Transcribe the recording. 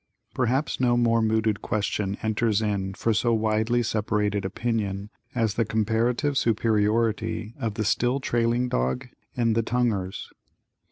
Perhaps no more mooted question enters in for so widely separated opinion as the comparative superiority of the Still Trailing dog and the Tonguers.